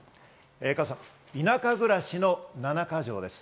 加藤さん、田舎暮らしの七か条です。